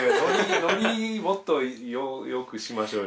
ノリ、もっとよくしましょうよ。